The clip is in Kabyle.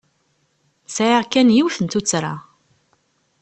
Sɛiɣ kan yiwet n tuttra.